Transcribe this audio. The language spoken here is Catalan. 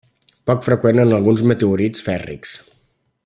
Poc freqüent en alguns meteorits fèrrics.